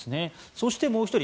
そしてもう１人。